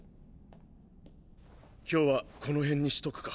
今日はこの辺にしとくか。